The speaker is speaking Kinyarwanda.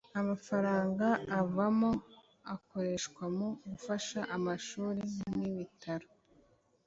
amafaranga avamo akoreshwa mu gufasha amashuri n’ibitaro